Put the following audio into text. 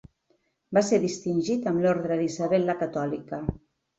Va ser distingit amb l'Orde d'Isabel la Catòlica.